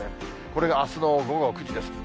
これがあすの午後９時です。